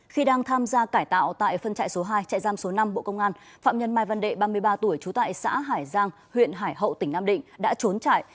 khi đang tham gia cải tạo tại phân chạy số hai chạy giam số năm bộ công an phạm nhân mai văn đệ ba mươi ba tuổi trú tại xã hải giang huyện hải hậu tỉnh nam định đã trốn chạy